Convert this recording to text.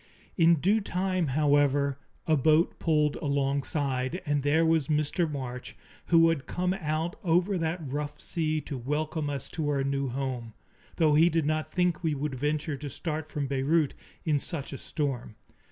In due time, however, a boat pulled alongside, and there was Mr. March, who had come out over that rough sea to welcome us to our new home, though he did not think we would venture to start from Beirut in such a storm.